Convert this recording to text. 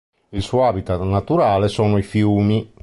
Il suo habitat naturale sono i fiumi.